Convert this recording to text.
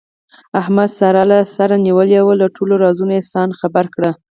احمد ساره له سره نیولې وه، له ټولو رازونو یې ځان خبر کړ.